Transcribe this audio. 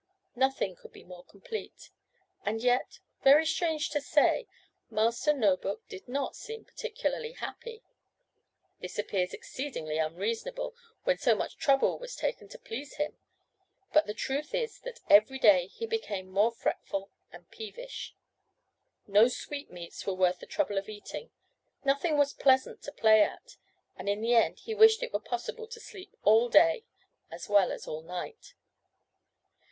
Nothing could be more complete, and yet, very strange to say, Master No book did not seem particularly happy. This appears exceedingly unreasonable, when so much trouble was taken to please him; but the truth is that every day he became more fretful and peevish. No sweetmeats were worth the trouble of eating, nothing was pleasant to play at, and in the end he wished it were possible to sleep all day, as well as all night.